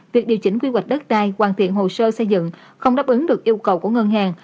việc điều chỉnh quy hoạch đất đai hoàn thiện hồ sơ xây dựng không đáp ứng được yêu cầu của ngân hàng